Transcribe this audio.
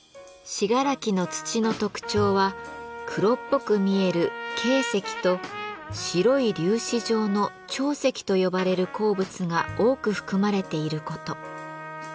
信楽の土の特徴は黒っぽく見える「珪石」と白い粒子状の「長石」と呼ばれる鉱物が多く含まれていること。